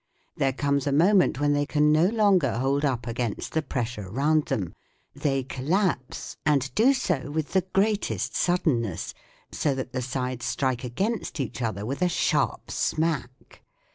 There comes a moment when they can no longer hold up against the pressure round them ; they collapse, and do so with the greatest suddenness, so that the sides strike against each other with a sharp smack.